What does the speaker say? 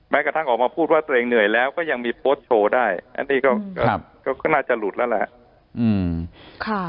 กระทั่งออกมาพูดว่าตัวเองเหนื่อยแล้วก็ยังมีโพสต์โชว์ได้อันนี้ก็น่าจะหลุดแล้วล่ะ